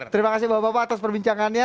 terima kasih bapak bapak atas perbincangannya